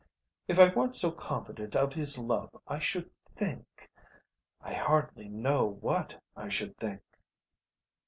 "If I weren't so confident of his love I should think.... I hardly know what I should think."